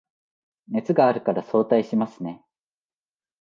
熱があるから早退しますね